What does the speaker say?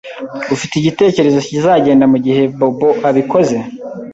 Ufite igitekerezo kizagenda mugihe Bobo abikoze?